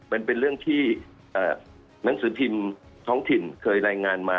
มันเป็นเรื่องที่หนังสือพิมพ์ท้องถิ่นเคยรายงานมา